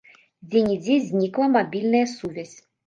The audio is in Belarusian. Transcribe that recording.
Дзе-нідзе знікла мабільная сувязь.